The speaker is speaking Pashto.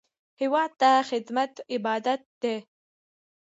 هېواد ته خدمت عبادت دی